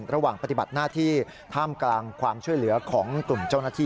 ระหว่างปฏิบัติหน้าที่ท่ามกลางความช่วยเหลือของกลุ่มเจ้าหน้าที่